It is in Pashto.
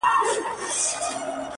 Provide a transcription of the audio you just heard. سپېرې شونډی وږې ګېډه فکر وړی؛